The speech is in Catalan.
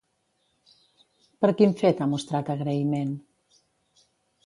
Per quin fet ha mostrat agraïment?